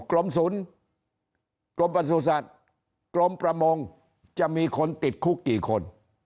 กรมศูนย์กรมประสุทธิ์กรมประมงจะมีคนติดคุกกี่คน